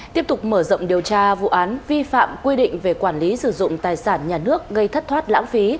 tiếp tục mở rộng điều tra vụ án vi phạm quy định về quản lý sử dụng tài sản nhà nước gây thất thoát lãng phí